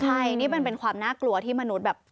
ใช่นี่มันเป็นความน่ากลัวที่มนุษย์แบบ